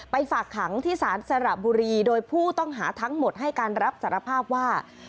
ฝากขังที่ศาลสระบุรีโดยผู้ต้องหาทั้งหมดให้การรับสารภาพว่า